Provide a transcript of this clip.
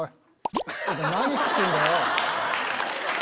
・何食ってんだよ！